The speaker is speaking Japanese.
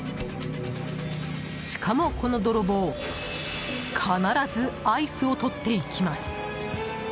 しかも、この泥棒必ずアイスをとっていきます。